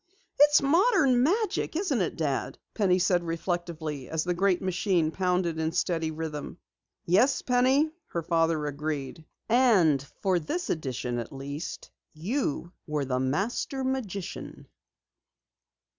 "It's modern magic, isn't it, Dad?" Penny said reflectively as the great machine pounded in steady rhythm. "Yes, Penny," her father agreed. "And for this edition, at least, you were the master magician!"